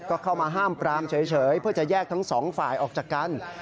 ก็เข้ามาห้ามปรามเฉยเพื่อจะแยกทั้งสองฝ่ายออกจากกัน